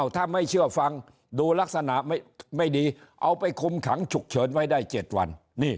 ถ้าไม่เชื่อฟังดูลักษณะไม่ดีเอาไปคุมขังฉุกเฉินไว้ได้๗วัน